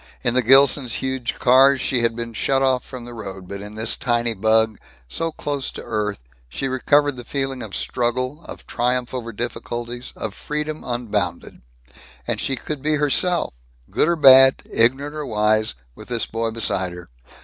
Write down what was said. In the Gilsons' huge cars she had been shut off from the road, but in this tiny bug, so close to earth, she recovered the feeling of struggle, of triumph over difficulties, of freedom unbounded. And she could be herself, good or bad, ignorant or wise, with this boy beside her.